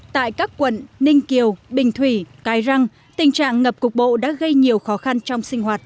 tại các quận ninh kiều bình thủy cái răng tình trạng ngập cục bộ đã gây nhiều khó khăn trong sinh hoạt